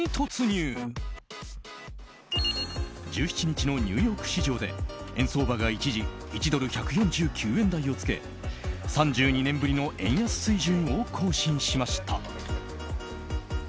１７日のニューヨーク市場で円相場が一時１ドル＝１４９円台をつけ３２年ぶりの円安水準を更新しました。